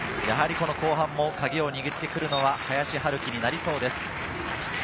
やはり後半もカギを握ってくるのは、林晴己になりそうです。